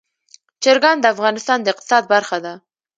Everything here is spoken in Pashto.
چرګان د افغانستان د اقتصاد برخه ده.